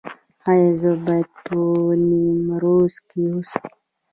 ایا زه باید په نیمروز کې اوسم؟